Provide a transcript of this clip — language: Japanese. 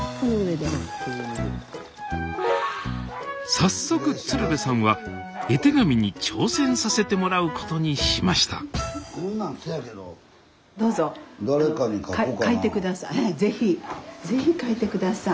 早速鶴瓶さんは絵手紙に挑戦させてもらうことにしました是非是非書いて下さい。